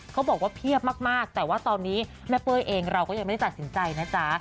เขาบอกว่าเพียบมากแต่ว่าตอนนี้แม่เป้ยเองเราก็ยังไม่ได้ตัดสินใจนะจ๊ะ